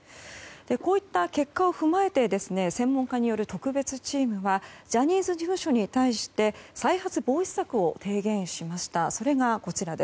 こういった結果を踏まえて専門家による特別チームはジャニーズ事務所に対して再発防止策を提言しました。